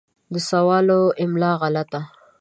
د سوالو املا غلطه